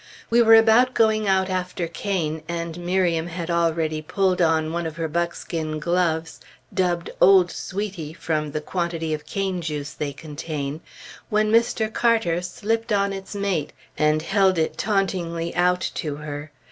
We were about going out after cane, and Miriam had already pulled on one of her buckskin gloves, dubbed "old sweety" from the quantity of cane juice they contain, when Mr. Carter slipped on its mate, and held it tauntingly out to her.